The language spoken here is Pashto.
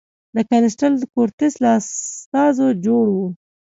د کاسټیل کورتس له استازو جوړ و.